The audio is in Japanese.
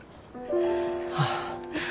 ああ。